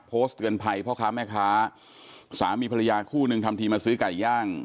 โพสต์เตือนภัยพ่อค้าแม่ค้าสามีภรรยาคู่หนึ่งทำทีมาซื้อไก่ย่าง